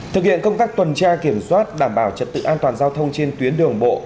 thực hiện công tác tuần tra kiểm soát đảm bảo trật tự an toàn giao thông trên tuyến đường bộ